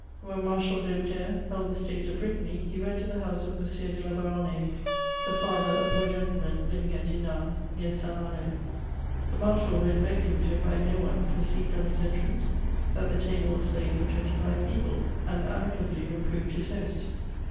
When Manhal d'Aubetene held the States of Brittany, he went to ihe boose of M. de la Baronnaki, ihe father, a poor gentleman, liying at Dinard, near St. Male ; the marshal, who had begg^ him to iniite no one, perceived on his entrance that the table was laid &» tw^itj five people, and amicably reprored his host.